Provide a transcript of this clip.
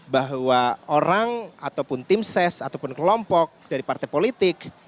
bahwa orang ataupun tim ses ataupun kelompok dari partai politik